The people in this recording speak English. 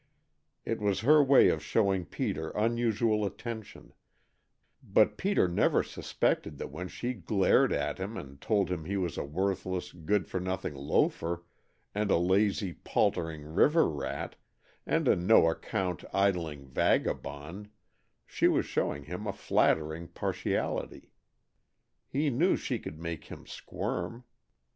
It was her way of showing Peter unusual attention, but Peter never suspected that when she glared at him and told him he was a worthless, good for nothing loafer and a lazy, paltering, river rat, and a no account, idling vagabond she was showing him a flattering partiality. He knew she could make him squirm.